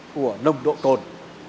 của nồng độ tồn